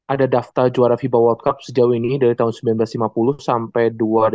ada daftar juara fiba world cup sejauh ini dari tahun seribu sembilan ratus lima puluh sampai dua ribu dua